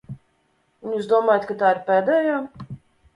Un jūs domājat, ka tā ir pēdējā?